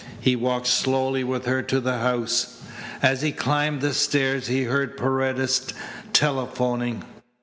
He walked slowly with her to the house. As he climbed the stairs he heard Paredes telephoning.